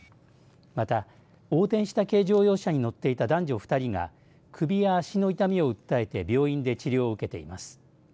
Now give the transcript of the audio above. また横転した軽乗用車に乗っていた男女２人が首や足の痛みを訴えて病院で治療を受けています。